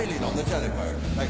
はい！